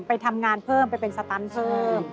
ไปทำงานเพิ่มไปเป็นสตันเพิ่ม